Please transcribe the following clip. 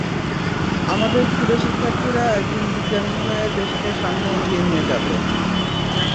আমাদের খুদে শিক্ষার্থীরা একদিন বিজ্ঞানী হয়ে দেশকে সামনে এগিয়ে নিয়ে যাবে।